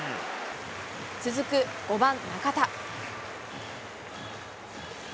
続く５番中田。